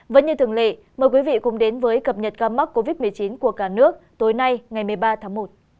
vẫn như thường lệ mời quý vị cùng đến với cập nhật ca mắc covid một mươi chín của cả nước tối nay ngày một mươi ba tháng một